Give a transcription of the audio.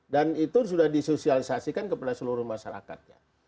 dan itu sudah disosialisasikan kepada seluruh masyarakat